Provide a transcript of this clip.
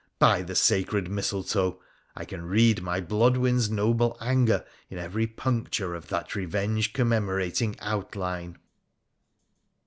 By the sacred mistletoe, I can read my Blodwen' s noble anger in every puncture of that revenge commemorating outline